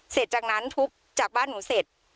เสร็จจากนั้นทุบจากบ้านหนูเสร็จ